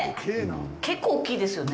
結構、大きいですよね？